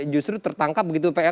justru tertangkap begitu pak ya